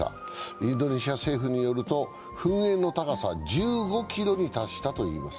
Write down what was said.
インドネシア政府によると噴煙の高さ１５ｋｍに達したといいます。